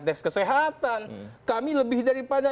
tes kesehatan kami lebih daripada